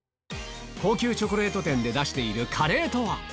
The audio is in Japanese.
高級チョコレート店で出しているカレーとは？